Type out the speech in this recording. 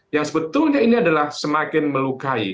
yang sebetulnya ini adalah semakin melukai